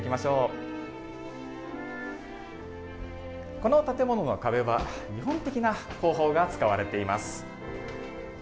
この建物の壁は日本的な工法が使われています。